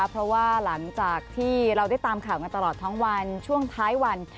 เพราะว่าหลังจากที่เราได้ตามข่าวกันตลอดทั้งวันช่วงท้ายวัน